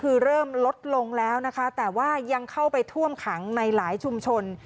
คือเริ่มลดลงแล้วนะคะแต่ว่ายังเข้าไปท่วมขังในหลายชุมชน